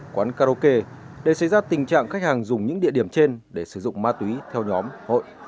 quán karaoke để xây ra tình trạng khách hàng dùng những địa điểm trên để sử dụng ma túy theo nhóm hội